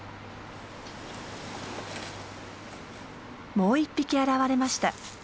もう１匹現れました。